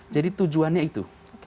jadi tujuannya itu